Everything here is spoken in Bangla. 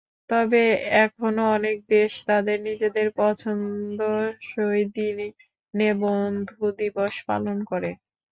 তবে এখনো অনেক দেশ তাদের নিজেদের পছন্দসই দিনে বন্ধু দিবস পালন করে।